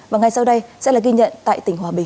và ngay sau đây sẽ là ghi nhận tại tỉnh hòa bình